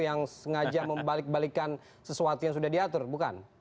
yang sengaja membalik balikan sesuatu yang sudah diatur bukan